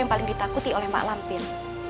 yang paling ditakuti oleh mak lampir